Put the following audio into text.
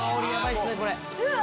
うわ！